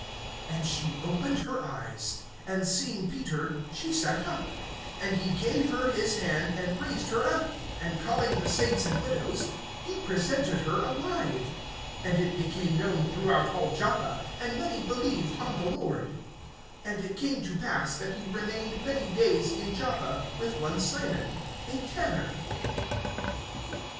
And she opened her eyes; and seeing Peter, she sat up. (41)And he gave her his hand, and raised her up; and calling the saints and widows, he presented her alive. (42)And it became known throughout all Joppa; and many believed on the Lord. (43)And it came to pass, that he remained many days in Joppa, with one Simon, a tanner.